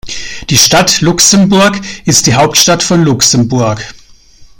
Die Stadt Luxemburg ist die Hauptstadt von Luxemburg.